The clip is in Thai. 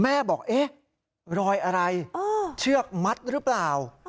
แม่บอกเอ๊ะรอยอะไรเชือกมัดหรือเปล่า